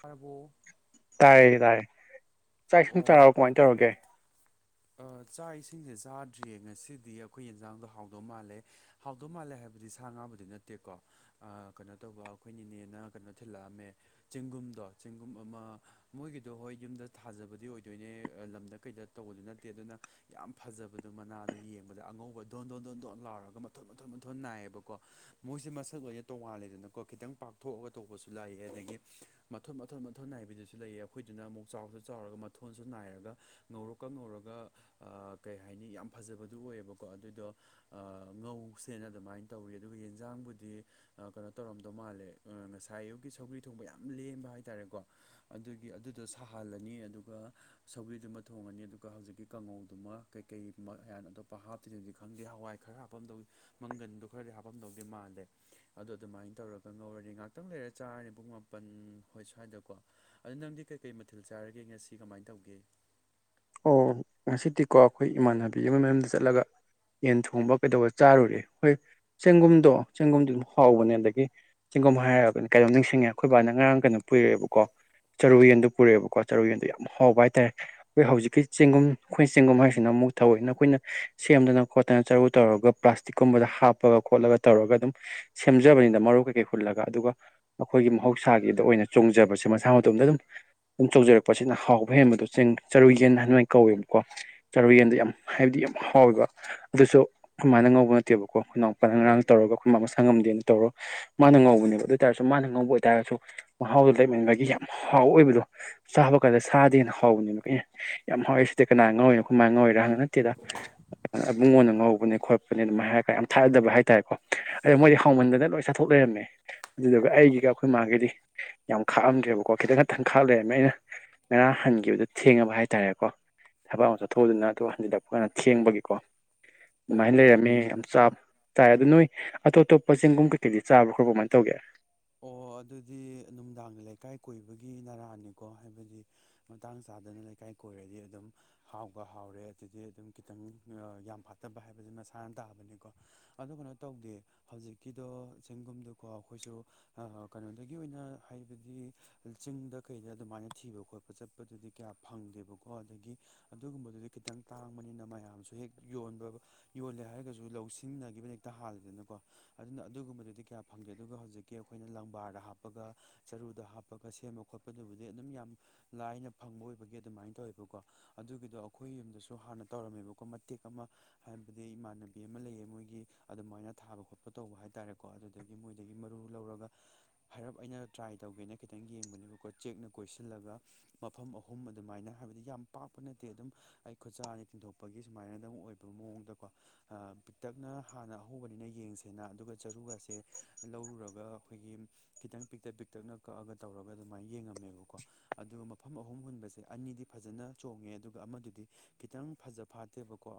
ꯄꯥꯔ ꯕ꯭ꯔꯣ ꯇꯥꯏꯦ ꯇꯥꯏꯦ ꯆꯥꯛ ꯁꯨꯝ ꯑꯣ ꯆꯥꯔꯛꯑꯣ ꯀꯃꯥꯏꯅ ꯇꯧꯔꯒꯦ ꯆꯥꯛ ꯏꯁꯤꯡꯁꯦ ꯆꯥꯗ꯭ꯔꯤꯌꯦ ꯉꯁꯤꯗꯤ ꯑꯩꯈꯣꯏ ꯌꯦꯟꯖꯥꯡꯗꯣ ꯍꯥꯎꯗꯧ ꯃꯥꯜꯂꯦ ꯍꯥꯎꯗꯧ ꯃꯥꯜꯂꯦ ꯍꯥꯏꯕꯗꯤ ꯁꯥ ꯉꯥꯕꯨꯗꯤ ꯅꯠꯇꯦꯀꯣ ꯀꯩꯅꯣ ꯇꯧꯕ ꯑꯩꯈꯣꯏꯅꯤꯅꯦꯅ ꯀꯩꯅꯣ ꯊꯤꯜꯂꯛꯑꯝꯃꯦ ꯆꯦꯡꯒꯨꯝꯗꯣ ꯆꯦꯡꯒꯨꯝ ꯑꯃ ꯃꯣꯏꯒꯤꯗꯣ ꯍꯣꯏ ꯌꯨꯝꯗ ꯊꯥꯖꯕꯗꯤ ꯑꯣꯏꯗꯣꯏꯅꯦ ꯂꯝꯗ ꯀꯩꯗ ꯇꯧꯕꯗꯨ ꯅꯠꯇꯦ ꯑꯗꯨꯅ ꯌꯥꯝ ꯐꯖꯕꯗꯣ ꯃꯅꯥꯗꯣ ꯌꯦꯡꯕꯗ ꯑꯉꯧꯕ ꯗꯣꯟꯗꯣꯟ ꯗꯣꯟꯗꯣꯟ ꯂꯥꯎꯔꯒ ꯃꯊꯣꯟ ꯃꯟꯊꯣꯟ ꯃꯟꯊꯣꯟ ꯅꯥꯏꯌꯦꯕꯀꯣ ꯃꯣꯏꯁꯦ ꯃꯁꯛ ꯂꯣꯏꯅ ꯇꯣꯉꯥꯜꯂꯦꯗꯅꯀꯣ ꯈꯤꯇꯪ ꯄꯥꯛꯊꯣꯛꯑꯒ ꯇꯧꯕꯁꯨ ꯂꯥꯛꯑ ꯑꯗꯒꯤ ꯃꯊꯣꯟ ꯃꯊꯣꯟ ꯃꯊꯣꯟ ꯅꯥꯏꯕꯤꯗꯨꯁꯨ ꯂꯩꯑ ꯑꯩꯈꯣꯏꯗꯨꯅ ꯑꯃꯨꯛ ꯆꯥꯎꯁꯨ ꯆꯥꯎꯔꯒ ꯃꯊꯣꯟꯁꯨ ꯅꯥꯏꯔꯒ ꯉꯧꯔꯀ ꯉꯧꯔꯒ ꯑꯗꯨꯒ ꯀꯩ ꯍꯥꯏꯅꯤ ꯌꯥꯝ ꯐꯖꯕꯗꯨ ꯑꯣꯏꯌꯦꯕꯀꯣ ꯑꯗꯨꯏꯗꯣ ꯉꯧꯁꯦꯅ ꯑꯗꯨꯃꯥꯏꯅ ꯇꯧꯋꯤ ꯑꯗꯨꯒ ꯌꯦꯟꯖꯥꯡꯕꯨꯗꯤ ꯀꯩꯅꯣ ꯇꯧꯔꯝꯗꯧ ꯃꯥꯜꯂꯦ ꯉꯁꯥꯏ ꯑꯌꯨꯛꯒꯤ ꯁꯧꯒ꯭ꯔꯤ ꯊꯣꯡꯕ ꯌꯥꯝ ꯂꯦꯝꯕ ꯍꯥꯏꯇꯥꯔꯦꯀꯣ ꯑꯗꯨꯒꯤ ꯑꯗꯨꯗꯣ ꯁꯥꯍꯜꯂꯅꯤ ꯑꯗꯨꯒ ꯁꯧꯒꯔꯤꯗꯨꯃ ꯊꯣꯡꯉꯅꯤ ꯑꯗꯨꯒ ꯍꯧꯖꯤꯛꯀꯤ ꯀꯥꯡꯉꯧꯗꯨꯃ ꯀꯩꯀꯩ ꯃꯌꯥꯟ ꯑꯇꯣꯞꯄ ꯍꯥꯞꯇꯔꯤꯅꯣꯗꯤ ꯈꯪꯗꯦ ꯍꯋꯥꯏ ꯈꯔ ꯍꯥꯞꯄ ꯑꯃ ꯇꯧ ꯃꯪꯒꯟꯗꯣ ꯈꯔꯗꯤ ꯍꯥꯞꯄꯝꯗꯧꯗꯤ ꯃꯥꯜꯂꯦ ꯑꯗꯣ ꯑꯗꯨꯃꯥꯏꯅ ꯇꯧꯔꯒ ꯉꯧꯔꯅꯤ ꯉꯥꯛꯇꯪ ꯂꯩꯔ ꯆꯥꯔꯅꯤ ꯄꯨꯡ ꯃꯥꯄꯜ ꯍꯣꯏ ꯁ꯭ꯋꯥꯏꯗꯀꯣ ꯑꯗꯣ ꯅꯪꯗꯤ ꯀꯩꯀꯩ ꯃꯊꯤꯜ ꯆꯥꯔꯒꯦ ꯉꯁꯤ ꯀꯃꯥꯏꯅ ꯇꯧꯒꯦ ꯑꯣ ꯉꯁꯤꯗꯤꯀꯣ ꯑꯩꯈꯣꯏ ꯏꯃꯥꯟꯅꯕꯤ ꯑꯃꯒꯤ ꯃꯌꯨꯝꯗ ꯆꯠꯂꯒ ꯌꯦꯟ ꯊꯣꯡꯕ ꯀꯩꯗꯧꯕ ꯆꯥꯔꯨꯔꯦ ꯍꯣꯏ ꯆꯦꯡꯒꯨꯝꯗꯣ ꯆꯦꯡꯒꯨꯝꯗꯨꯣ ꯑꯗꯨꯝ ꯍꯥꯎꯕꯅꯦ ꯑꯗꯒꯤ ꯆꯤꯡꯒꯣꯝ ꯍꯥꯏꯔꯒꯅꯤ ꯀꯩꯅꯣꯝ ꯅꯤꯡꯁꯤꯡꯉꯦ ꯑꯩꯈꯣꯏꯕꯥꯅ ꯉꯔꯥꯡ ꯀꯩꯅꯣ ꯄꯨꯔꯛꯑꯦꯕꯀꯣ ꯆꯔꯨ ꯌꯦꯟꯗꯨ ꯄꯨꯔꯛꯑꯦꯕꯀꯣ ꯆꯔꯨ ꯌꯦꯟꯗꯣ ꯌꯥꯝ ꯍꯥꯎꯕ ꯍꯥꯏꯇꯥꯔꯦ ꯑꯩꯈꯣꯏ ꯍꯧꯖꯤꯛꯀꯤ ꯆꯦꯡꯒꯨꯝ ꯑꯩꯈꯣꯏ ꯆꯦꯡꯒꯨꯝ ꯍꯥꯏꯁꯤꯅ ꯑꯃꯨꯛ ꯊꯧꯋꯧꯏꯀꯤ ꯑꯩꯈꯣꯏꯅ ꯁꯦꯝꯗꯅ ꯈꯣꯠꯇꯅ ꯆꯔꯨ ꯇꯧꯔꯒ ꯄ꯭ꯂꯥꯁꯇꯤꯛꯀꯨꯝꯕꯗ ꯍꯥꯞꯄꯒ ꯈꯣꯠꯂꯒ ꯇꯧꯔꯒ ꯑꯗꯨꯝ ꯁꯦꯝꯖꯕꯅꯤꯅ ꯃꯔꯨ ꯀꯩꯀꯩ ꯍꯨꯜꯂꯒ ꯑꯗꯨꯒ ꯑꯩꯈꯣꯏꯒꯤ ꯃꯍꯧꯁꯥꯒꯤꯗ ꯑꯣꯏꯅ ꯆꯣꯡꯖꯕꯁꯦ ꯃꯁꯥ ꯃꯇꯣꯝꯗ ꯑꯗꯨꯝ ꯑꯗꯨꯨꯝ ꯆꯣꯡꯖꯔꯛꯄꯁꯤꯅ ꯍꯥꯎꯕ ꯍꯦꯟꯕꯗꯣ ꯆꯦꯡ ꯆꯔꯨ ꯌꯦꯟ ꯍꯥꯏꯅ ꯀꯧꯋꯦꯕꯀꯣ ꯆꯥꯔꯨ ꯌꯦꯟꯗꯣ ꯌꯥꯝ ꯍꯥꯏꯕꯗꯤ ꯌꯥꯝ ꯍꯥꯎꯋꯦꯕ ꯑꯗꯨꯁꯨ ꯑꯈꯣꯏꯃꯥꯅ ꯉꯧꯕ ꯅꯠꯇꯦꯕꯀꯣ ꯏꯅꯥꯎꯄꯥ ꯉꯔꯥꯡ ꯇꯧꯔꯒ ꯑꯩꯈꯣꯏ ꯃꯥ ꯃꯁꯥ ꯉꯝꯗꯦꯅ ꯇꯧꯔꯣ ꯃꯥꯅ ꯉꯧꯕꯅꯦꯕ ꯑꯗꯨ ꯑꯣꯏꯇꯥꯔꯁꯨ ꯃꯥꯅ ꯉꯧꯕ ꯑꯣꯏꯇꯥꯔꯁꯨ ꯃꯍꯥꯎꯗꯣ ꯂꯩꯃꯦꯟꯕꯒꯤ ꯌꯥꯝ ꯍꯥꯎꯕ ꯑꯣꯏꯕꯗꯣ ꯆꯥꯕꯀꯥꯟꯗ ꯁꯥꯗꯩ ꯍꯦꯟꯅ ꯍꯥꯎꯕꯅꯤ ꯑꯦ ꯌꯥꯝ ꯍꯥꯎꯋꯦ ꯁꯤꯗꯤ ꯀꯅꯥ ꯉꯥꯎꯔꯤꯅꯣ ꯈꯣꯏꯃꯥꯅ ꯉꯧꯔꯤꯔ ꯍꯪ ꯅꯠꯇꯦꯗ ꯏꯕꯨꯡꯉꯣꯟꯅ ꯉꯧꯕꯅꯦ ꯈꯣꯠꯄꯅꯦ ꯑꯗꯨꯃꯥꯏ ꯍꯥꯏꯔꯒ ꯌꯥꯝ ꯊꯥꯖꯗꯕ ꯍꯥꯏꯇꯥꯔꯦꯀꯣ ꯑꯗꯣ ꯃꯣꯏꯗꯤ ꯍꯧꯃꯟꯗꯅ ꯂꯣꯏ ꯆꯠꯊꯣꯛ ꯂꯩꯔꯝꯃꯦ ꯑꯗꯨꯗꯨꯒ ꯑꯩꯒꯤꯒ ꯑꯩꯈꯣꯏꯃꯥ ꯒꯤꯗꯤ ꯌꯥꯝ ꯈꯥꯛꯑꯝꯗ꯭ꯔꯦꯕꯀꯣ ꯈꯤꯇꯪ ꯈꯇꯪ ꯈꯥꯛ ꯂꯩꯔꯝꯃꯦ ꯑꯩꯅ ꯉꯔꯥꯡ ꯍꯟꯈꯤꯕꯗꯨ ꯊꯦꯡꯉꯕ ꯍꯥꯏꯇꯥꯔꯦꯀꯣ ꯊꯕꯛ ꯑꯃ ꯆꯠꯊꯣꯛꯎꯗꯅ ꯑꯗꯨ ꯍꯟꯖꯤꯜꯂꯛꯄ ꯀꯥꯟꯗ ꯊꯦꯡꯕꯒꯤꯀꯣ ꯑꯣ ꯑꯗꯨꯃꯥꯏꯅ ꯑꯗꯨ ꯂꯩꯔꯝꯃꯤ ꯌꯥꯝ ꯆꯕ ꯇꯥꯏ ꯑꯗꯣ ꯅꯣꯏ ꯑꯇꯣꯞ ꯑꯇꯣꯞꯄ ꯆꯦꯡꯒꯨꯝ ꯀꯩꯀꯩꯗꯤ ꯆꯥꯕ ꯈꯣꯠꯄ ꯀꯃꯥꯏ ꯇꯧꯒꯦ ꯑꯣ ꯑꯗꯨꯗꯤ ꯅꯨꯡꯗꯥꯡꯒꯤ ꯂꯩꯀꯥꯏ ꯀꯣꯏꯕꯒꯤ ꯅꯔꯥꯅꯤꯀꯣ ꯍꯥꯏꯕꯗꯤ ꯃꯇꯥꯡ ꯆꯥꯗꯅ ꯂꯩꯀꯥꯏ ꯀꯣꯏꯔꯗꯤ ꯑꯗꯨꯝ ꯍꯥꯎꯕ ꯍꯥꯎꯔꯦ ꯑꯗꯨꯗꯤ ꯑꯗꯨꯝ ꯈꯤꯇꯪ ꯌꯥꯝ ꯐꯠꯇꯕ ꯍꯥꯏꯕꯗꯨ ꯃꯁꯥꯅ ꯇꯥꯕꯅꯤꯀꯣ ꯑꯗꯨ ꯀꯩꯅꯣ ꯇꯧꯗꯦ ꯍꯧꯖꯤꯛꯀꯤꯗꯣ ꯆꯤꯡꯒꯨꯝꯗꯀꯣ ꯑꯩꯈꯣꯏꯁꯨ ꯑꯥ ꯀꯩꯅꯣꯗꯒꯤ ꯑꯣꯏꯅ ꯍꯥꯏꯕꯗꯤ ꯆꯤꯡꯗ ꯀꯩꯗ ꯑꯗꯨꯃꯥꯏꯅ ꯊꯤꯕ ꯈꯣꯠꯄ ꯆꯠꯄꯗꯨꯗꯤ ꯀꯌꯥ ꯐꯪꯗꯦꯕꯀꯣ ꯑꯗꯒꯤ ꯑꯗꯨꯒꯨꯝꯕꯗꯨꯗꯤ ꯈꯤꯇꯪ ꯇꯥꯡꯕꯅꯤꯅ ꯃꯌꯥꯝꯁꯨ ꯍꯦꯛ ꯌꯣꯟꯕ ꯌꯣꯜꯂꯦ ꯍꯥꯏꯔꯒꯁꯨ ꯂꯧ ꯁꯤꯟꯅꯒꯤꯕ ꯍꯦꯛꯇ ꯍꯥꯜꯂꯦꯗꯅꯀꯣ ꯑꯗꯨꯅ ꯑꯗꯨꯒꯨꯝꯕꯗꯨꯗꯤ ꯀꯌꯥ ꯐꯪꯗꯦ ꯑꯗꯨꯒ ꯍꯧꯖꯤꯛꯀꯤ ꯑꯩꯈꯣꯏꯅ ꯂꯪꯕꯥꯔꯗ ꯍꯥꯞꯄꯒ ꯆꯔꯨꯗ ꯍꯥꯞꯄꯒ ꯁꯦꯝꯕ ꯈꯣꯠꯄꯗꯨꯕꯨꯗꯤ ꯑꯗꯨꯝ ꯌꯥꯝ ꯂꯥꯏꯅ ꯐꯪꯕ ꯑꯣꯏꯕꯒꯤ ꯑꯗꯨꯃꯥꯏꯅ ꯇꯧꯋꯦꯕꯀꯣ ꯑꯗꯨꯒꯤꯗꯣ ꯑꯩꯈꯣꯏ ꯌꯨꯝꯗꯁꯨ ꯍꯥꯟꯅ ꯇꯧꯔꯝꯃꯦꯕꯀꯣ ꯃꯇꯦꯛ ꯑꯃ ꯍꯥꯏꯕꯗꯤ ꯏꯃꯥꯟꯅꯕꯤ ꯑꯃ ꯂꯩꯌꯦ ꯃꯣꯏꯒꯤ ꯑꯗꯨꯃꯥꯏꯅ ꯊꯥꯕ ꯈꯣꯠꯄ ꯇꯧꯕ ꯍꯥꯏ ꯇꯥꯔꯦꯀꯣ ꯑꯗꯨꯗꯒꯤ ꯃꯣꯏꯗꯒꯤ ꯃꯔꯨ ꯂꯧꯔꯒ ꯍꯥꯏꯔꯞ ꯑꯩꯅ ꯇ꯭ꯔꯥꯏ ꯇꯧꯒꯦꯅ ꯈꯤꯇꯪ ꯌꯦꯡꯕꯅꯦꯕꯀꯣ ꯆꯦꯛꯅ ꯀꯣꯏꯁꯤꯜꯂꯒ ꯃꯐꯝ ꯑꯍꯨꯝ ꯑꯗꯨꯃꯥꯏꯅ ꯍꯥꯏꯕꯗꯤ ꯌꯥꯝ ꯄꯥꯛꯄ ꯅꯠꯇꯦ ꯑꯗꯨꯝ ꯑꯩ ꯈꯨꯠꯁꯥꯅ ꯇꯤꯟꯊꯣꯛꯄꯒꯤ ꯁꯨꯃꯥꯏꯅ ꯑꯗꯨꯝ ꯑꯣꯏꯕ ꯃꯑꯣꯡꯗꯀꯣ ꯑꯥ ꯄꯤꯇꯛꯅ ꯍꯥꯟꯅ ꯑꯍꯧꯕꯅꯤꯅ ꯌꯦꯡꯁꯦꯅ ꯑꯗꯨꯒ ꯆꯔꯨꯒꯁꯦ ꯂꯧꯔꯨꯔꯒ ꯑꯗꯨꯒ ꯑꯩꯈꯣꯏꯒꯤ ꯈꯤꯇꯪ ꯄꯤꯛꯇꯛ ꯄꯤꯛꯇꯛꯅ ꯀꯛꯑꯒ ꯇꯧꯔꯒ ꯑꯗꯨꯃꯥꯏꯅ ꯌꯦꯡꯉꯝꯃꯦꯕꯀꯣ ꯑꯗꯨꯒ ꯃꯐꯝ ꯑꯍꯨꯝ ꯍꯨꯟꯕꯁꯦ ꯑꯅꯤꯗꯤ ꯐꯖꯅ ꯆꯣꯡꯉꯦ ꯑꯗꯨꯒ ꯑꯃꯗꯨꯗꯤ ꯈꯤꯇꯪ ꯐꯖ ꯐꯥꯠꯇꯦꯕꯀꯣ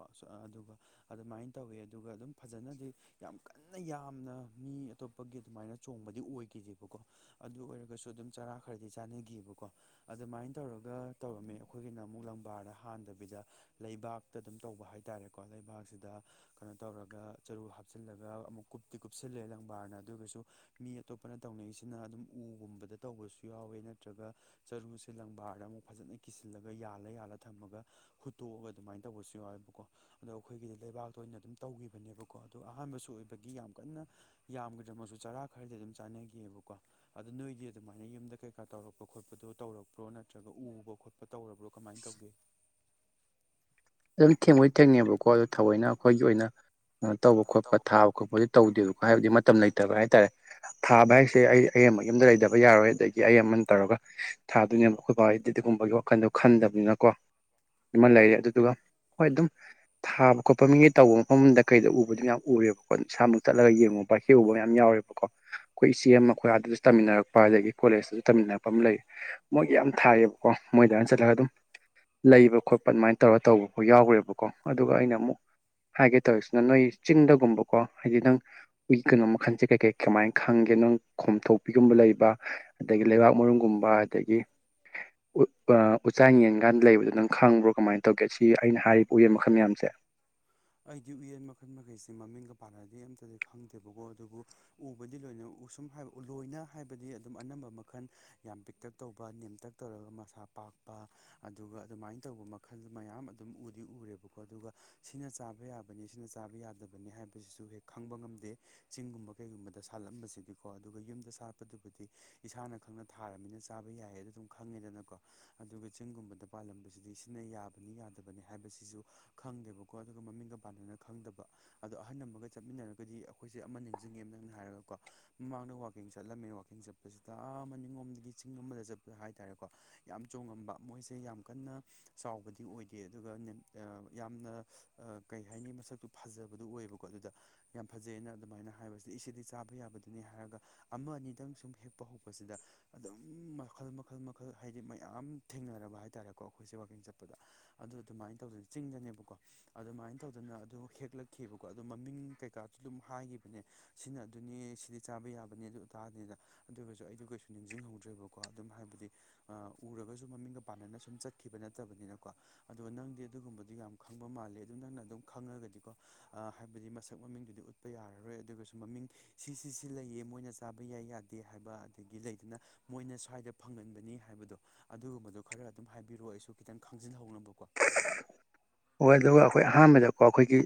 ꯑꯗꯨꯒ ꯑꯗꯨꯃꯥꯏꯅ ꯇꯧꯋꯤ ꯑꯗꯨꯒ ꯑꯗꯨꯝ ꯐꯖꯅꯗꯤ ꯌꯥꯝ ꯀꯟꯅ ꯌꯥꯝꯅ ꯃꯤ ꯑꯇꯣꯞꯄꯒꯤ ꯑꯗꯨꯃꯥꯏꯅ ꯆꯣꯡꯕꯗꯤ ꯑꯣꯏꯈꯤꯗꯦꯕꯀꯣ ꯑꯗꯨ ꯑꯣꯏꯔꯒꯁꯨ ꯑꯗꯨꯝ ꯆꯔꯥ ꯈꯔꯗꯤ ꯆꯥꯟꯅꯈꯤꯑꯕꯀꯣ ꯑꯗꯨꯃꯥꯏꯅ ꯇꯧꯔꯒ ꯇꯧꯔꯝꯃꯤ ꯑꯩꯈꯣꯏꯒꯤꯅ ꯑꯃꯨꯛ ꯂꯝꯕꯥꯔꯗ ꯍꯥꯟꯗꯕꯤꯗ ꯂꯩꯕꯥꯛꯇ ꯑꯗꯨꯝ ꯇꯧꯕ ꯍꯥꯏꯇꯥꯔꯦꯀꯣ ꯂꯩꯕꯥꯛꯁꯤꯗ ꯀꯩꯅꯣ ꯇꯧꯔꯒ ꯆꯔꯨ ꯍꯥꯞꯆꯤꯜꯂꯒ ꯑꯃꯨꯛ ꯀꯨꯞꯇꯤ ꯀꯨꯞꯁꯤꯜꯂꯦ ꯂꯪꯕꯥꯔꯅ ꯑꯗꯨꯒꯁꯨ ꯃꯤ ꯑꯇꯣꯞꯄꯅ ꯇꯧꯅꯩꯁꯤꯅ ꯑꯗꯨꯝ ꯎꯒꯨꯝꯕꯗ ꯇꯧꯕꯁꯨ ꯌꯥꯎꯋꯦ ꯅꯠꯇ꯭ꯔꯒ ꯆꯔꯨꯁꯦ ꯂꯪꯕꯥꯔꯗ ꯑꯃꯨꯛ ꯐꯖꯅ ꯀꯤꯁꯤꯜꯂꯒ ꯌꯥꯜꯂ ꯌꯥꯜꯂ ꯊꯝꯃꯒ ꯍꯨꯠꯇꯣꯛꯑꯒ ꯑꯗꯨꯃꯥꯏ ꯇꯧꯕꯁꯨ ꯌꯥꯎꯋꯕꯀꯣ ꯑꯗꯣ ꯑꯩꯈꯣꯏꯒꯤꯗꯤ ꯂꯩꯕꯥꯛꯇ ꯑꯣꯏꯅ ꯑꯗꯨꯝ ꯇꯧꯈꯤꯕꯅꯦꯕꯀꯣ ꯑꯗꯣ ꯑꯍꯥꯟꯕꯁꯨ ꯑꯣꯏꯕꯒꯤ ꯌꯥꯝ ꯀꯟꯅ ꯌꯥꯝꯒꯤꯗ꯭ꯔ ꯃꯁꯨ ꯆꯔꯥ ꯈꯔꯗꯤ ꯑꯗꯨꯝ ꯆꯥꯟꯅꯒꯤꯕꯀꯣ ꯑꯗꯨ ꯅꯣꯏꯗꯤ ꯑꯗꯨꯃꯥꯏꯅ ꯌꯨꯝꯗ ꯀꯩꯀꯥ ꯇꯧꯔꯛꯄ ꯈꯣꯠꯄꯗꯣ ꯇꯧꯔꯛꯄ꯭ꯔꯣ ꯅꯠꯇ꯭ꯔꯒ ꯎꯕ ꯈꯣꯠꯄ ꯇꯧꯔꯕ꯭ꯔꯣ ꯀꯃꯥꯏ ꯇꯧꯒꯦ ꯑꯗꯨꯝ ꯊꯦꯡꯉꯣꯏ ꯊꯦꯡꯅꯩꯕꯀꯣ ꯑꯣ ꯊꯑꯣꯏꯅ ꯑꯩꯈꯣꯏꯒꯤ ꯑꯣꯏꯅ ꯇꯧꯕ ꯈꯣꯠꯄ ꯊꯥꯕ ꯈꯣꯠꯄꯗꯤ ꯈꯣꯠꯄ ꯇꯧꯗꯦꯕꯀꯣ ꯍꯥꯏꯕꯗꯤ ꯃꯇꯝ ꯂꯩꯇꯕ ꯍꯥꯏꯇꯥꯔꯦ ꯊꯥꯕ ꯍꯥꯏꯁꯦ ꯑꯩ ꯑꯃ ꯌꯨꯝꯗ ꯂꯩꯗꯕ ꯌꯥꯔꯣꯏ ꯑꯗꯒꯤ ꯑꯩ ꯑꯃꯅ ꯇꯧꯔꯒ ꯊꯥꯗꯣꯏꯅꯦꯕ ꯑꯩꯈꯣꯏ ꯕꯥꯍꯣꯏꯗꯤ ꯑꯗꯨꯒꯒꯨꯝꯕꯒꯤ ꯋꯥꯈꯟꯗꯣ ꯈꯟꯗꯕꯅꯤꯅꯀꯣ ꯁꯤꯃ ꯂꯩꯔꯦ ꯑꯗꯨꯗꯨꯒ ꯍꯣꯏ ꯑꯗꯨꯝ ꯊꯥꯕ ꯈꯣꯠꯄ ꯃꯤꯉꯩ ꯇꯧꯕ ꯃꯐꯝꯗ ꯀꯩꯗ ꯎꯕꯗꯨ ꯌꯥꯝ ꯎꯔꯦꯕꯀꯣ ꯏꯁꯥꯃꯛꯨ ꯆꯠꯂꯒ ꯌꯦꯡꯕ ꯍꯦꯛꯎꯕ ꯃꯌꯥꯝ ꯌꯥꯎꯔꯦꯕꯀꯣ ꯈꯣꯏ ꯏꯆꯦ ꯑꯃ ꯑꯩꯈꯣꯏ ꯑꯥꯗꯁꯨ ꯇꯝꯃꯤꯟꯅꯔꯛꯄ ꯑꯗꯒꯤ ꯀꯣꯂꯦꯖꯇꯁꯨ ꯇꯝꯃꯤꯟꯅꯔꯛꯄ ꯑꯃ ꯂꯩ ꯃꯣꯏꯒꯤ ꯌꯥꯝ ꯊꯥꯏꯌꯦꯕꯀꯣ ꯃꯣꯏꯗꯥꯏꯅ ꯆꯠꯂꯒ ꯑꯗꯨꯝ ꯂꯩꯕ ꯈꯣꯠꯄ ꯑꯗꯨꯃꯥꯏꯅ ꯇꯧꯔꯒ ꯇꯧꯕ ꯑꯣ ꯌꯥꯎꯒ꯭ꯔꯦꯕꯀꯣ ꯑꯗꯨꯒ ꯑꯩꯅ ꯑꯃꯨꯛ ꯍꯥꯏꯒꯦ ꯇꯧꯔꯤꯁꯤꯅ ꯅꯣꯏ ꯆꯤꯡꯗꯒꯨꯝꯕꯀꯣ ꯍꯥꯏꯗꯤ ꯅꯪ ꯎ ꯀꯩꯅꯣ ꯃꯈꯜꯁꯦ ꯀꯩ ꯀꯩ ꯀꯃꯥꯏ ꯈꯪꯒꯦ ꯅꯪ ꯈꯣꯝꯊꯣꯛꯄꯤꯒꯨꯝꯕ ꯂꯩꯕ ꯑꯗꯒꯤ ꯂꯩꯕꯥꯛ ꯃꯔꯨꯝꯒꯨꯝꯕ ꯑꯗꯒꯤ ꯎꯆꯥꯟ ꯌꯦꯟ ꯒꯥꯏꯅ ꯂꯩꯕꯗꯣ ꯅꯪ ꯈꯪꯕ꯭ꯔꯣ ꯀꯃꯥꯏ ꯇꯧꯒꯦ ꯑꯩꯅ ꯍꯥꯏꯔꯤ ꯎꯌꯦꯟ ꯃꯈꯜ ꯃꯌꯥꯝꯁꯦ ꯑꯩꯗꯤ ꯎꯌꯦꯟ ꯃꯈꯜ ꯃꯈꯩꯁꯦ ꯃꯃꯤꯡꯒ ꯄꯥꯟꯅꯗꯤ ꯑꯝꯇꯗꯤ ꯈꯪꯗꯦꯕꯀꯣ ꯑꯗꯨꯕꯨ ꯎꯕꯨꯗꯤ ꯂꯣꯏꯅ ꯎꯁꯨꯝ ꯂꯣꯏꯅ ꯍꯥꯏꯕꯗꯤ ꯑꯗꯨꯝ ꯑꯅꯝꯕ ꯃꯈꯜ ꯌꯥꯝ ꯄꯤꯛꯇꯛ ꯇꯧꯕ ꯅꯦꯝꯇꯛ ꯇꯧꯔꯒ ꯃꯁꯥ ꯄꯥꯛꯄ ꯑꯗꯨꯒ ꯑꯗꯨꯃꯥꯏꯅ ꯇꯧꯕ ꯃꯈꯜ ꯃꯌꯥꯝ ꯑꯗꯨꯝ ꯎꯗꯤ ꯎꯔꯦꯕꯀꯣ ꯑꯗꯨꯒ ꯁꯤꯅ ꯆꯥꯕ ꯌꯥꯕꯅꯤ ꯁꯤꯅ ꯆꯥꯕ ꯌꯥꯗꯕꯅꯤ ꯍꯥꯏꯕꯁꯤꯁꯨ ꯍꯦꯛ ꯈꯪꯕ ꯉꯝꯗꯦ ꯆꯤꯡꯒꯨꯝꯕ ꯀꯩꯒꯨꯝꯕꯗ ꯁꯥꯠꯂꯝꯕꯁꯤꯗꯤ ꯀꯣ ꯑꯗꯨꯒ ꯌꯨꯝꯗ ꯁꯥꯠꯄꯗꯨꯕꯨꯗꯤ ꯏꯁꯥꯅ ꯈꯪꯅ ꯊꯥꯔꯕꯃꯤꯅ ꯆꯥꯕ ꯌꯥꯏꯌꯦ ꯑꯗꯨ ꯑꯗꯨꯝ ꯈꯪꯉꯦꯗꯅꯀꯣ ꯑꯗꯨꯒ ꯆꯤꯡꯒꯨꯝꯕꯗ ꯄꯥꯜꯂꯝꯕꯁꯤꯗꯤ ꯁꯤꯅ ꯌꯥꯕꯅꯤ ꯌꯥꯗꯕꯅꯤ ꯍꯥꯏꯕꯁꯤꯁꯨ ꯈꯪꯗꯦꯕꯀꯣ ꯑꯗꯨꯒ ꯃꯃꯤꯡꯒ ꯄꯥꯟꯅꯅ ꯈꯪꯗꯕ ꯑꯗꯣ ꯑꯍꯜ ꯑꯃꯒ ꯆꯠꯃꯤꯟꯅꯔꯒꯗꯤ ꯑꯩꯈꯣꯏꯁꯦ ꯑꯃ ꯅꯤꯡꯁꯤꯡꯉꯦ ꯅꯪꯅ ꯍꯥꯏꯔꯒꯀꯣ ꯃꯃꯥꯡꯗ ꯋꯥꯀꯤꯡ ꯆꯠꯂꯝꯃꯦ ꯋꯥꯥꯛꯀꯤꯡ ꯆꯠꯄꯁꯤꯗ ꯑꯃꯅꯤꯡꯂꯣꯝꯗꯒꯤ ꯆꯤꯡ ꯑꯃꯗ ꯆꯠꯄ ꯍꯥꯏꯇꯥꯔꯦꯀꯣ ꯌꯥꯝ ꯆꯣꯉꯝꯕ ꯃꯣꯏꯁꯦ ꯌꯥꯝ ꯀꯟꯅ ꯆꯥꯎꯕꯗꯤ ꯑꯣꯏꯗꯦ ꯑꯗꯨꯒ ꯌꯥꯝꯅ ꯑ ꯀꯩ ꯍꯥꯏꯅꯤ ꯃꯁꯛꯇꯨ ꯐꯖꯕꯗꯨ ꯑꯣꯏꯌꯦꯕꯀꯣ ꯑꯗꯨꯗ ꯌꯥꯝ ꯐꯖꯩꯑꯅ ꯑꯗꯨꯃꯥꯏꯅ ꯍꯥꯏꯕꯁꯤꯗꯤ ꯏꯗꯤ ꯆꯥꯕ ꯌꯥꯕꯗꯨꯅꯤ ꯍꯥꯏꯔꯒ ꯑꯃ ꯑꯅꯤꯗꯪ ꯁꯨꯝ ꯍꯦꯛꯄ ꯍꯧꯕꯁꯤꯗ ꯑꯗꯨꯝ ꯃꯈꯜ ꯃꯈꯜ ꯃꯈꯜ ꯍꯥꯏꯗꯤ ꯃꯌꯥꯝ ꯊꯦꯡꯅꯔꯕ ꯍꯥꯏꯇꯥꯔꯦꯀꯣ ꯑꯩꯈꯣꯏꯁꯦ ꯋꯥꯛꯀꯤꯡ ꯆꯠꯄꯗ ꯑꯗꯨ ꯑꯗꯨꯃꯥꯏꯅ ꯇꯧꯗꯅ ꯆꯤꯡꯗꯅꯦꯕꯀꯣ ꯑꯗꯨꯃꯥꯏꯅ ꯇꯧꯗꯅ ꯑꯗꯨ ꯍꯦꯛꯂꯛꯈꯤꯕꯀꯣ ꯑꯗꯨꯗꯣ ꯃꯃꯤꯡ ꯀꯩꯀꯥꯁꯨ ꯑꯗꯨꯝ ꯍꯥꯏꯈꯤꯕꯅꯦ ꯁꯤꯅ ꯑꯗꯨꯅꯤ ꯁꯤꯗꯤ ꯆꯥꯕ ꯌꯥꯕꯅꯦ ꯑꯗꯨ ꯑꯗꯅꯤꯗ ꯑꯗꯨ ꯑꯣꯏꯒꯁꯨ ꯑꯩꯗꯨ ꯀꯩꯁꯨ ꯅꯤꯡꯁꯤꯡꯍꯧꯗ꯭ꯔꯦꯕꯀꯣ ꯑꯗꯨꯝ ꯍꯥꯏꯕꯗꯤ ꯎꯔꯒꯁꯨ ꯃꯃꯤꯡꯒ ꯄꯥꯟꯅꯅ ꯁꯨꯝ ꯆꯠꯈꯤꯕ ꯅꯠꯇꯕꯅꯤꯅꯀꯣ ꯑꯗꯣ ꯅꯪꯗꯤ ꯑꯗꯨꯒꯨꯝꯕꯗꯨ ꯌꯥꯝ ꯈꯪꯕ ꯃꯥꯜꯂꯦ ꯑꯗꯨ ꯅꯪꯅ ꯑꯗꯨꯝ ꯈꯪꯉꯒꯗꯤꯀꯣ ꯍꯥꯏꯕꯗꯤ ꯃꯁꯛ ꯃꯃꯤꯡꯗꯨꯗꯤ ꯎꯠꯄ ꯌꯥꯔꯔꯣꯏ ꯑꯗꯨꯒꯁꯨ ꯃꯃꯤꯡ ꯁꯤꯁꯤ ꯁꯤ ꯂꯩꯌꯦ ꯃꯣꯏꯅ ꯆꯥꯕ ꯌꯥꯏ ꯌꯥꯗꯦ ꯍꯥꯏꯕ ꯑꯗꯒꯤ ꯂꯩꯗꯅ ꯃꯣꯏꯅ ꯁ꯭ꯋꯥꯏꯗ ꯐꯪꯒꯟꯕꯅꯤ ꯍꯥꯏꯕꯗꯣ ꯑꯗꯨꯒꯨꯝꯕꯗꯣ ꯈꯔ ꯑꯗꯨꯝ ꯍꯥꯏꯕꯤꯔꯣ ꯑꯩꯁꯨ ꯈꯤꯇꯪ ꯈꯪꯖꯤꯟꯍꯧꯅꯕꯀꯣ ꯍꯣꯏ ꯑꯗꯨꯒ ꯑꯩꯈꯣꯏ ꯑꯍꯥꯟꯕꯗꯀꯣ ꯑꯩꯈꯣꯏꯒꯤ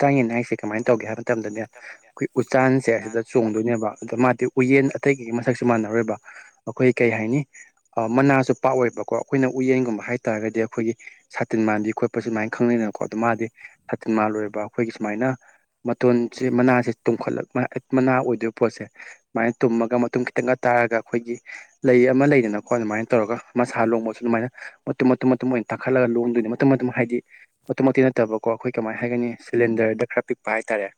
ꯆꯥꯡ ꯌꯦꯅꯥ ꯍꯥꯏꯁꯦ ꯀꯃꯥꯏꯅ ꯇꯧꯒꯦ ꯍꯥꯏꯕ ꯃꯇꯝꯗꯅꯦ ꯑꯩꯈꯣꯏ ꯎꯆꯆꯥꯟꯁꯦ ꯑꯁꯤꯗ ꯇꯥꯟꯁꯦ ꯆꯣꯡꯗꯣꯏꯅꯦꯕ [inaudible] ꯑꯗꯣ ꯃꯥꯗꯤ ꯎꯌꯦꯟ ꯑꯇꯩꯒꯤ ꯃꯁꯛꯁꯨ ꯃꯥꯟꯅꯔꯣꯏꯕ ꯑꯩꯈꯣꯏ ꯀꯩ ꯍꯥꯏꯅꯤ ꯃꯅꯥꯁꯨ ꯄꯥꯛꯑꯣꯏꯕꯀꯣ ꯑꯩꯈꯣꯏꯅ ꯎꯌꯦꯟꯒꯨꯝꯕ ꯍꯥꯏꯇꯥꯥꯔꯒꯗꯤ ꯑꯩꯈꯣꯏꯒꯤ ꯁꯥꯇꯤꯟ ꯃꯥꯟꯗꯤ ꯈꯣꯠꯄ ꯁꯨꯃꯥꯏꯅ ꯈꯪꯅꯩꯗꯅꯀꯣ ꯑꯗꯣ ꯃꯥꯗꯤ ꯁꯥꯇꯤꯟ ꯃꯥꯥꯟꯂꯣꯏꯕ ꯑꯩꯈꯣꯏꯒꯤ ꯁꯨꯃꯥꯏꯅ ꯃꯇꯣꯟꯁꯦ ꯃꯅꯥꯁꯦ ꯇꯨꯝꯈꯠꯂꯛ ꯃꯅꯥ ꯑꯣꯏꯗꯣꯏꯕ ꯄꯣꯠꯁꯦ ꯁꯨꯃꯥꯏꯅ ꯇꯨꯝꯃꯒ ꯃꯇꯨꯡ ꯈꯤꯇꯪꯒ ꯇꯥꯔꯒ ꯑꯩꯈꯣꯏꯒꯤ ꯂꯩ ꯑꯃ ꯂꯩꯗꯅꯀꯣ ꯑꯗꯨꯃꯥꯏꯅ ꯇꯧꯔꯒ ꯃꯁꯥ ꯂꯣꯡꯕꯁꯨ ꯑꯗꯨꯃꯥꯏꯅ ꯃꯇꯨꯝ ꯃꯇꯨꯝ ꯃꯇꯨꯝ ꯑꯣꯏꯅ ꯇꯥꯈꯠ ꯈꯜꯂꯒ ꯂꯣꯡꯗꯣꯏꯅꯤ ꯃꯇꯨꯝ ꯃꯇꯨꯝ ꯍꯥꯏꯗꯤ ꯑꯇꯨꯝꯃꯛꯇꯤ ꯅꯠꯇꯕꯀꯣ ꯑꯩꯈꯣꯏ ꯀꯃꯥꯏꯅ ꯍꯥꯏꯒꯅꯤ ꯁꯤꯂꯤꯟꯗꯔꯗ ꯈꯔ ꯄꯤꯛꯄ ꯍꯥꯏꯇꯥꯔꯦ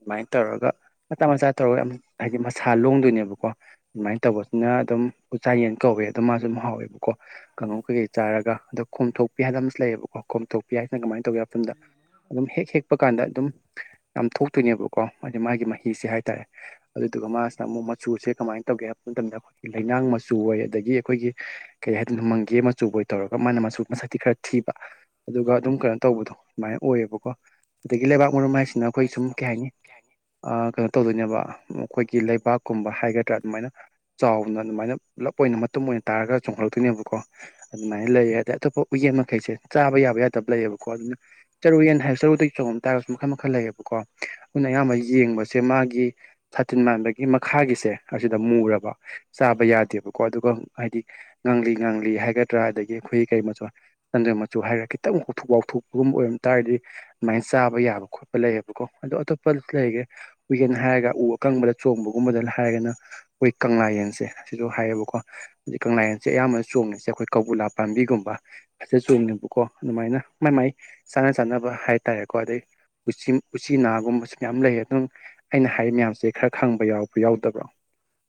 ꯑꯗꯨꯃꯥꯏꯅ ꯇꯧꯔꯒ ꯃꯆꯥ ꯃꯆꯥ ꯇꯧꯔꯒ ꯌꯥꯝ ꯍꯥꯏꯗꯤ ꯃꯁꯥ ꯂꯣꯡꯗꯣꯏꯅꯦꯕꯀꯣ ꯑꯗꯨꯃꯥꯏꯅ ꯇꯧꯕꯁꯤꯅ ꯑꯗꯨꯝ ꯎꯆꯥ ꯌꯦꯟ ꯀꯧꯋꯦ ꯑꯗꯨ ꯃꯥꯁꯨ ꯑꯗꯨꯝ ꯍꯥꯎꯋꯦꯕ ꯀꯣ ꯀꯥꯡꯍꯧ ꯀꯩꯀꯩ ꯆꯥꯔꯒ ꯑꯗꯣ ꯈꯣꯝꯊꯣꯛꯄꯤ ꯍꯥꯏꯕꯅ ꯑꯃꯁꯨ ꯂꯩꯌꯦꯕꯀꯣ ꯈꯣꯝꯊꯣꯛꯄꯤ ꯍꯥꯏꯁꯤꯅ ꯀꯃꯥꯏꯅ ꯇꯧꯒꯦ ꯗ ꯑꯗꯨꯝ ꯍꯦꯛ ꯍꯦꯛ ꯄ ꯀꯥꯟꯗ ꯑꯗꯨꯝ ꯌꯥꯝ ꯊꯣꯛꯇꯣꯏꯅꯦꯕꯀꯣ ꯍꯥꯏꯗꯤ ꯃꯥꯒꯤ ꯃꯍꯤꯁꯦ ꯍꯥꯏꯇꯥꯔꯦ ꯑꯗꯨꯗꯨꯒ ꯃꯥꯁꯤꯗ ꯑꯃꯨꯛ ꯃꯆꯨꯁꯦ ꯀꯃꯥꯏꯅ ꯇꯧꯒꯦ ꯍꯥꯏꯕ ꯃꯇꯝꯗ ꯑꯩꯈꯣꯏꯒꯤ ꯂꯩꯅꯥꯡ ꯃꯆꯨ ꯑꯣꯏ ꯑꯗꯒꯤ ꯑꯩꯈꯣꯏꯒꯤ ꯀꯩ ꯍꯥꯏꯗꯣꯏꯅꯣ ꯃꯪꯒꯦ ꯃꯆꯨꯕꯣꯏ ꯇꯧꯔꯒ ꯃꯥꯅ ꯃꯆꯨ ꯃꯁꯛꯇꯤ ꯈꯔ ꯊꯤꯕ ꯑꯗꯨꯒ ꯑꯗꯨꯝ ꯀꯩꯅꯣ ꯇꯧꯕꯗꯣ ꯑꯗꯨꯃꯥꯏꯅ ꯑꯣꯏꯌꯦꯕꯀꯣ ꯑꯗꯒꯤ ꯂꯩꯕꯥꯛ ꯃꯔꯨꯝ ꯍꯥꯏꯁꯦ ꯁꯤꯅ ꯑꯩꯈꯣꯏ ꯁꯨꯝ ꯀꯩ ꯍꯥꯏꯅꯤ ꯑꯥ ꯀꯩꯅꯣ ꯇꯧꯗꯣꯏꯅꯦꯕ ꯑꯩꯈꯣꯏꯒꯤ ꯂꯩꯕꯥꯛꯀꯨꯝꯕ ꯍꯥꯏꯒꯗ꯭ꯔꯥ ꯑꯗꯨꯃꯥꯏꯅ ꯆꯥꯎꯅ ꯑꯗꯨꯃꯥꯏꯅ ꯄꯨꯂꯞ ꯑꯣꯏꯅ ꯃꯇꯨꯝ ꯑꯣꯏꯅ ꯇꯥꯔꯒ ꯆꯣꯡꯈꯠꯂꯛꯇꯣꯏꯅꯦꯕꯀꯣ ꯑꯗꯨꯃꯥꯏꯅ ꯂꯩꯌꯦ ꯑꯗꯩ ꯑꯇꯣꯞꯄ ꯎꯌꯦꯜ ꯃꯈꯩꯁꯦ ꯆꯥꯕ ꯌꯥꯕ ꯌꯥꯗꯕ ꯂꯩꯌꯦꯕꯀꯣ ꯑꯗꯨꯅ ꯆꯔꯨꯌꯦꯟ ꯍꯥꯏꯕ ꯆꯔꯨꯗꯒꯤ ꯆꯣꯡꯉꯛ ꯇꯥꯔꯒꯁꯨ ꯃꯈꯜ ꯃꯈꯜ ꯂꯩꯌꯦꯕꯀꯣ ꯑꯗꯨꯅ ꯑꯌꯥꯝꯕ ꯌꯦꯡꯕꯁꯦ ꯃꯥꯒꯤ ꯁꯥꯇꯤꯟ ꯃꯥꯟꯕꯒꯤ ꯃꯈꯥꯒꯤꯁꯦ ꯑꯁꯤꯗ ꯃꯨꯔꯕ ꯆꯥꯕ ꯌꯥꯗꯦꯕꯀꯣ ꯑꯗꯨꯒ ꯍꯥꯏꯗꯤ ꯉꯥꯡꯂꯤ ꯉꯥꯡꯂꯤ ꯍꯥꯏꯒꯗ꯭ꯔꯥ ꯑꯗꯒꯤ ꯑꯩꯈꯣꯏ ꯀꯔꯤ ꯃꯆ ꯆꯟꯗ꯭ꯔꯝ ꯃꯆꯨ ꯍꯥꯏꯔꯒ ꯈꯤꯇꯪ ꯎꯊꯣꯛ ꯋꯥꯥꯎꯊꯣꯛꯄꯒꯨꯝ ꯑꯣꯏꯔꯝ ꯇꯥꯔꯗꯤ ꯑꯗꯨꯃꯥꯏꯅ ꯆꯥꯕ ꯌꯥꯕ ꯈꯣꯠꯄ ꯂꯩꯌꯦꯕꯀꯣ ꯑꯗꯣ ꯑꯇꯣꯞꯄ ꯂꯩꯒꯦ ꯎꯌꯦꯟ ꯍꯥꯏꯔꯒ ꯎ ꯑꯀꯪꯕꯗ ꯆꯣꯡꯕꯒꯨꯝꯕꯗ ꯍꯥꯏꯔꯒꯅ ꯑꯣꯏ ꯀꯪꯂꯥ ꯌꯦꯟꯁꯦ ꯁꯤꯖꯨ ꯍꯥꯏꯌꯦꯕꯀꯣ ꯀꯪꯂꯥꯌꯦꯟꯁꯦ ꯑꯌꯥꯝꯕꯅ ꯆꯣꯡꯉꯤꯁꯦ ꯑꯩꯈꯣꯏ ꯀꯧꯕꯤꯂꯥ ꯄꯥꯝꯕꯤꯒꯨꯝꯕ ꯑꯁꯤ ꯆꯣꯡꯅꯦꯕꯀꯣ ꯑꯗꯨꯃꯥꯏꯅ ꯃꯥꯏ ꯃꯥꯏ ꯆꯥꯅ ꯆꯥꯅꯕ ꯍꯥꯏꯇꯥꯔꯦꯀꯣ ꯑꯗꯩ ꯎꯆꯤꯟ ꯎꯆꯤꯅꯥꯒꯨꯝꯕꯁꯨ ꯃꯌꯥꯝ ꯂꯩꯌꯦ ꯑꯗꯨꯝ ꯑꯩꯅ ꯍꯥꯏꯔꯤ ꯃꯌꯥꯝꯁꯦ ꯈꯔ ꯈꯪꯕ ꯌꯥꯎꯕ꯭ꯔꯥ ꯌꯥꯎꯗꯕ꯭ꯔꯣ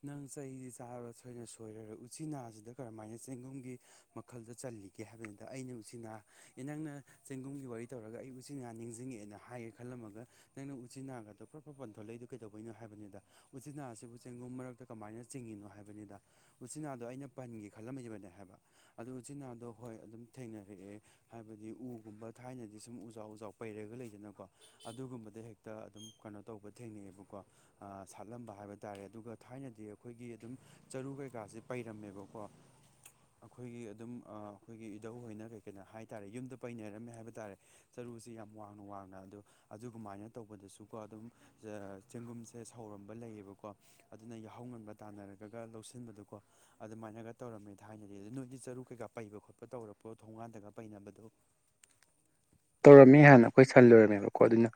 ꯅꯪ ꯆꯩꯁꯤ ꯆꯥꯔꯕ ꯁꯣꯏꯅ ꯁꯣꯏꯔꯔ ꯎꯆꯤꯅꯥꯁꯤꯗ ꯀꯔꯝꯍꯥꯏꯅ ꯆꯦꯡꯒꯨꯝꯒꯤ ꯃꯈꯜꯗ ꯆꯜꯂꯤꯒꯦ ꯍꯥꯏꯕꯅꯤꯗ ꯑꯩꯅ ꯎꯆꯤꯟꯅꯥ ꯅꯪꯅ ꯆꯦꯡꯒꯨꯝꯒꯤ ꯋꯥꯔꯤ ꯇꯧꯔꯒ ꯑꯩ ꯎꯆꯤꯅꯥ ꯅꯤꯡꯖꯤꯡꯉꯛꯑꯦꯅ ꯍꯥꯏꯒꯦ ꯈꯜꯂꯝꯃꯒ ꯅꯪꯅ ꯎꯆꯤꯅꯥꯒꯗꯣ ꯄ꯭ꯔꯞ ꯄ꯭ꯔꯞ ꯄꯟꯊꯣꯂꯛꯏꯗꯨ ꯀꯩꯗꯧꯕꯩꯅꯣ ꯍꯥꯏꯕꯅꯤꯗ ꯎꯆꯤꯟꯅꯥꯁꯤꯕꯨ ꯆꯦꯡ ꯒꯨꯝ ꯃꯔꯛꯇ ꯀꯃꯥꯏꯅ ꯆꯤꯡꯉꯤꯅꯣ ꯍꯥꯏꯕꯅꯤꯗ ꯎꯆꯤꯟꯅꯥꯗꯣ ꯑꯩꯅ ꯄꯟꯒꯦ ꯈꯜꯂꯝꯃꯤꯕꯅꯦ ꯍꯥꯏꯕ ꯑꯗꯨ ꯎꯆꯤꯟꯅꯥꯗꯣ ꯍꯣꯏ ꯑꯗꯨꯝ ꯊꯦꯡꯅꯔꯛꯑꯦ ꯍꯥꯏꯕꯗꯤ ꯎꯒꯨꯝꯕ ꯊꯥꯏꯅꯗꯤ ꯁꯨꯝ ꯎꯖꯥꯎ ꯎꯖꯥꯎ ꯄꯩꯔꯒ ꯂꯩꯗꯅꯀꯣ ꯑꯗꯨꯒꯨꯝꯕꯗ ꯍꯦꯛ ꯇ ꯑꯗꯨꯝ ꯀꯩꯅꯣ ꯇꯧꯕ ꯊꯦꯡꯅꯩꯑꯦꯕꯀꯣ ꯑꯥ ꯁꯥꯠꯂꯝꯕ ꯍꯥꯏꯕ ꯇꯥꯔꯦ ꯑꯗꯨꯒ ꯊꯥꯏꯅꯗꯤ ꯑꯩꯈꯣꯏꯒꯤ ꯑꯗꯨꯝ ꯆꯔꯨ ꯀꯩꯀꯥꯁꯦ ꯄꯩꯔꯝꯃꯦꯕꯀꯣ ꯑꯩꯈꯣꯏꯒꯤ ꯑꯗꯨꯝ ꯑꯥ ꯑꯩꯈꯣꯏꯒꯤ ꯏꯙꯧꯍꯣꯏꯅ ꯀꯩ ꯀꯩꯅꯣ ꯍꯥꯏ ꯇꯥꯔꯦ ꯌꯨꯝꯗ ꯄꯩꯅꯔꯝꯃꯦ ꯍꯥꯏꯕ ꯇꯥꯔꯦ ꯆꯔꯨꯁꯤ ꯌꯥꯝ ꯋꯥꯡꯅ ꯋꯥꯡꯅ ꯑꯗꯣ ꯑꯗꯨꯒꯃꯥꯏꯅ ꯇꯧꯕꯗꯁꯨꯀꯣ ꯑꯗꯨꯝ ꯆ ꯆꯦꯡꯒꯨꯝꯁꯦ ꯁꯧꯔꯝꯕ ꯂꯩꯌꯦꯕꯀꯣ ꯑꯗꯨꯅ ꯌꯥꯍꯧ ꯉꯟꯕ ꯇꯥꯟꯅꯔꯒꯒ ꯂꯧꯁꯤꯟꯕꯗꯣꯀꯣ ꯑꯗꯨꯃꯥꯏꯅꯒ ꯇꯧꯔꯝꯃꯦ ꯊꯥꯏꯅꯗꯤ ꯑꯗꯨ ꯅꯣꯏꯗꯤ ꯆꯔꯨ ꯀꯩꯀꯥ ꯄꯩꯕ ꯈꯣꯠꯄ ꯇꯧꯔꯛꯄ꯭ꯔꯣ ꯊꯣꯡꯒꯥꯟꯗꯒ ꯄꯩꯅꯕꯗꯣ ꯇꯧꯔꯝꯃꯤ ꯍꯥꯟꯅ ꯑꯩꯈꯣꯏ ꯁꯜ ꯂꯣꯏꯔꯝꯃꯦꯕꯀꯣ ꯑꯗꯨꯅ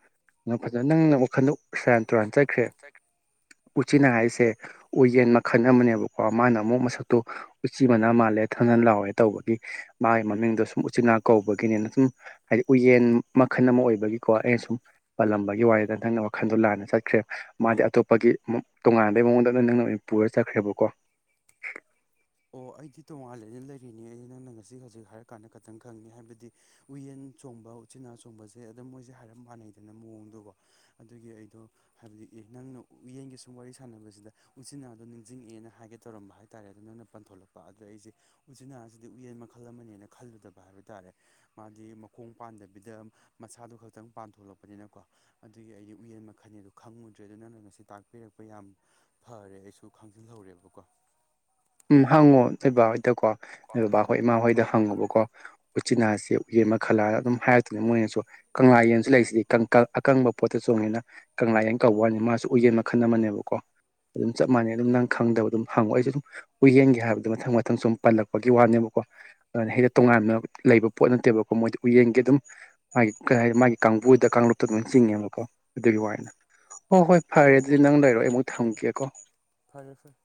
ꯅ ꯐꯖꯅ ꯅꯪꯅ ꯋꯥꯈꯜꯗ ꯁꯦꯔꯥꯟ ꯇꯨꯔꯥꯟ ꯆꯠꯈ꯭ꯔꯦ ꯎꯆꯤꯅꯥ ꯍꯥꯏꯁꯦ ꯎꯌꯦꯟ ꯃꯈꯜ ꯑꯃꯅꯦꯕꯀꯣ ꯃꯥꯅ ꯑꯃꯨꯛ ꯃꯁꯛꯇꯨ ꯎꯆꯤ ꯃꯅꯥ ꯃꯥꯜꯂꯦ ꯊꯪꯅꯟ ꯂꯥꯎꯋꯦ ꯇꯧꯕꯒꯤ ꯃꯥꯒꯤ ꯃꯃꯤꯡꯗꯣ ꯁꯨꯝ ꯎꯆꯤꯟꯅꯥ ꯀꯧꯕꯒꯤꯅꯤꯅ ꯁꯨꯝ ꯍꯥꯏꯗꯤ ꯎꯌꯦꯟ ꯃꯈꯜ ꯑꯃ ꯑꯣꯏꯕꯒꯤꯀꯣ ꯑꯩꯅ ꯁꯨꯝ ꯄꯜꯂꯝꯕꯒꯤ ꯋꯥꯔꯤꯗ ꯅꯪꯅ ꯋꯥꯈꯜꯗꯣ ꯂꯥꯟꯅ ꯆꯠꯈ꯭ꯔꯦ ꯃꯥꯗꯤ ꯑꯇꯣꯞꯄꯒꯤ ꯃ ꯇꯣꯉꯥꯟꯕꯩ ꯃꯑꯣꯡꯗ ꯅꯪꯅ ꯄꯨꯔ ꯆꯠꯈ꯭ꯔꯦꯕꯀꯣ ꯑꯣ ꯑꯩꯗꯤ ꯇꯣꯉꯥꯟꯂꯦꯅ ꯂꯩꯔꯤꯅꯤ ꯑꯩꯗꯤ ꯅꯪꯅ ꯉꯁꯤ ꯍꯧꯖꯤꯛ ꯍꯥꯏꯔ ꯀꯥꯟꯗ ꯈꯤꯇꯪ ꯈꯪꯉꯤ ꯍꯥꯏꯕꯗꯤ ꯎꯌꯦꯟ ꯆꯣꯡꯕ ꯎꯆꯤꯅꯥ ꯆꯣꯡꯕꯁꯦ ꯑꯗꯨꯝ ꯃꯣꯏꯁꯦ ꯍꯥꯏꯔꯞ ꯃꯥꯟꯅꯩꯗꯅ ꯃꯑꯣꯡꯗꯀꯣ ꯑꯗꯨꯒꯤ ꯑꯩꯗꯣ ꯍꯥꯏꯕꯗꯤ ꯑꯦ ꯅꯪꯅ ꯎꯌꯦꯟꯒꯤ ꯁꯨꯝ ꯋꯥꯔꯤ ꯁꯥꯟꯅꯕꯁꯤꯗ꯫ ꯎꯆꯤꯟꯅꯥꯗꯣ ꯅꯤꯡꯁꯤꯡꯉꯛꯑꯦꯅ ꯍꯥꯏꯒꯦ ꯇꯧꯔꯝꯕ ꯍꯥꯏꯇꯥꯔꯦ ꯑꯗ ꯅꯪꯅ ꯄꯟꯊꯣꯂꯛꯄ ꯑꯗꯨꯗ ꯑꯩꯁꯦ ꯎꯖꯤꯅꯥꯁꯤꯗꯤ ꯎꯌꯦꯟ ꯃꯈꯜ ꯑꯃꯅꯦꯅ ꯈꯜꯂꯨꯗꯕ ꯍꯥꯏꯕ ꯇꯥꯔꯦ ꯃꯥꯗꯤ ꯃꯈꯣꯡ ꯄꯥꯟꯗꯕꯤꯗ ꯃꯁꯥꯗꯨ ꯈꯛꯇꯪ ꯄꯥꯟ ꯊꯣꯛꯂꯛꯄꯅꯤꯅꯀꯣ꯫ ꯑꯗꯨꯒꯤ ꯑꯩꯗꯤ ꯎꯌꯦꯟ ꯃꯈꯜꯅꯦꯗꯣ ꯈꯪꯉꯨꯗ꯭ꯔꯦ ꯑꯗꯨ ꯅꯪꯅ ꯉꯁꯤ ꯇꯥꯛꯄꯤꯔꯛꯄꯩ ꯌꯥꯝ ꯐꯔꯦ ꯑꯩꯁꯨ ꯈꯪꯖꯤꯜꯍꯧꯔꯦꯕꯀꯣ꯫ ꯎꯝ ꯍꯪꯉꯣ ꯅꯣꯏ ꯕꯥꯍꯣꯏꯗꯀꯣ ꯅꯣꯏ ꯕꯕꯥꯍꯣꯏ ꯏꯃꯥ ꯍꯣꯏꯗ ꯍꯪꯉꯨꯕꯀꯣ꯫ ꯎꯆꯤꯟꯅꯥꯁꯦ ꯎꯌꯦꯟ ꯃꯈꯥꯜꯂꯥ ꯑꯗꯨꯝ ꯍꯥꯏꯔꯛꯇꯨꯅꯦ ꯃꯣꯏꯅꯁꯨ꯫ ꯀꯪꯂꯥ ꯌꯦꯟꯁꯨ ꯂꯩꯁꯤꯗꯤ ꯀꯪ ꯀꯥꯪ ꯑꯀꯪꯕ ꯄꯣꯠꯇ ꯆꯣꯡꯉꯦꯅ ꯀꯪꯂꯥ ꯌꯦꯟ ꯀꯧꯕ ꯋꯥꯅꯦ ꯃꯥꯁꯨ ꯎꯌꯦꯟ ꯃꯈꯜ ꯑꯃꯅꯦꯕꯀꯣ꯫ ꯑꯗꯨꯝ ꯆꯞ ꯃꯥꯟꯅꯩ ꯑꯗꯨꯝ ꯅꯪ ꯈꯪꯗꯕ ꯑꯗꯨꯝ ꯍꯪꯉꯣ ꯑꯩꯁꯨ ꯑꯗꯨꯝ ꯎꯌꯦꯟꯒꯤ ꯍꯥꯏꯕꯗꯣ ꯃꯊꯪ ꯃꯊꯪ ꯁꯨꯝ ꯄꯜꯂꯛꯄꯒꯤ ꯋꯥꯅꯦꯕꯀꯣ ꯍꯦꯛꯇ ꯇꯣꯉꯥꯟꯅ ꯂꯩꯕ ꯄꯣꯠ ꯅꯠꯇꯦꯕꯀꯣ ꯃꯣꯏꯗꯤ ꯎꯌꯦꯟꯒꯤ ꯑꯗꯨꯝ ꯃꯥꯒꯤ ꯀꯩ ꯍꯥꯏ ꯃꯥꯒꯤ ꯀꯥꯡꯕꯨꯗ ꯀꯥꯡꯂꯨꯞꯇ ꯑꯗꯨꯃꯥꯏꯅ ꯆꯤꯡꯉꯦꯕꯀꯣ ꯑꯗꯨꯒꯤ ꯋꯥꯅꯤꯗ꯫ ꯍꯣꯏ ꯍꯣꯏ ꯐꯔꯦ ꯑꯗꯨꯗꯤ ꯅꯪ ꯂꯩꯔꯣ ꯑꯩ ꯑꯃꯨꯛ ꯊꯝꯒꯦꯀꯣ꯫ ꯐꯔꯦ ꯐꯔꯦ꯫